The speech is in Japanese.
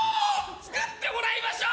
作ってもらいましょう！